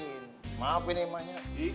berhubung saya rambut tebal makanya saya ditawarin